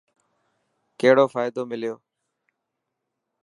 ڪهڙو فائدو مليو؟